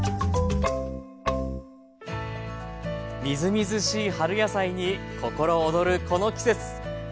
みずみずしい春野菜に心躍るこの季節。